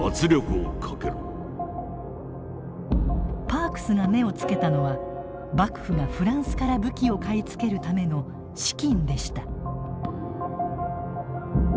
パークスが目をつけたのは幕府がフランスから武器を買い付けるための資金でした。